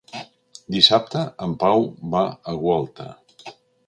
Dissabte en Pau va a Gualta.